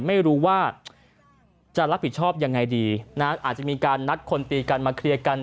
ไม่รู้ว่าจะรับผิดชอบยังไงดีนะอาจจะมีการนัดคนตีกันมาเคลียร์กัน